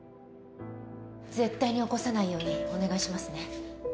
絶対に起こさないようにお願いしますね。